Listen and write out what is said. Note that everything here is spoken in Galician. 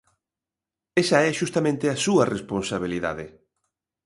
Esa é xustamente a súa responsabilidade.